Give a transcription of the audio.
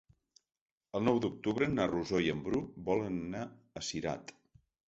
El nou d'octubre na Rosó i en Bru volen anar a Cirat.